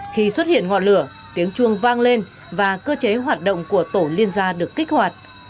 khi xuất hiện ngọn lửa tiếng chuông vang lên và cơ chế hoạt động của tổ liên gia được kích hoạt